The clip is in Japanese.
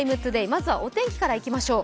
まずはお天気からいきましょう。